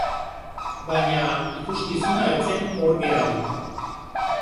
Baina, ikuskizuna ez zen hor geratu.